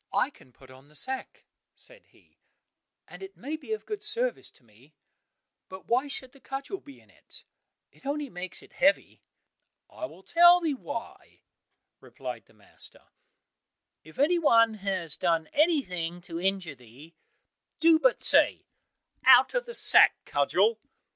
"I can put on the sack," said he, "and it may be of good service to me, but why should the cudgel be in it? It only makes it heavy." "I will tell thee why," replied the master; "if any one has done anything to injure thee, do but say, 'Out of the sack, Cudgel!